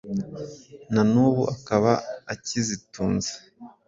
na n’ubu akaba akizitunze.